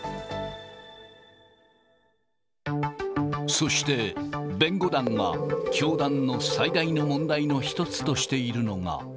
そして弁護団が、教団の最大の問題の一つとしているのが。